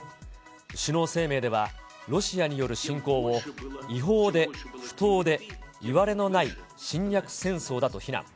首脳声明では、ロシアによる侵攻を違法で不当でいわれのない侵略戦争だと非難。